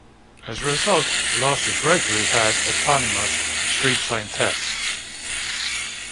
As a result, Lost has regularly had eponymous street sign theft.